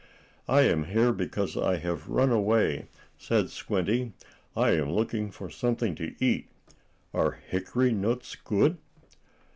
"I am here because I have run away," said Squinty. "I am looking for something to eat. Are hickory nuts good?"